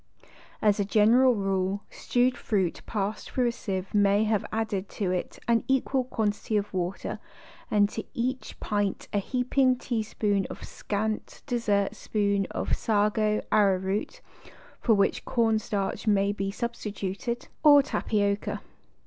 As a general rule stewed fruit passed through a sieve may have added to it an equal quantity of water and to each pint a heaping teaspoon or scant dessertspoon of sago, arrowroot (for which cornstarch may be substituted) or 3 4 FRUIT RECIPES tapioca.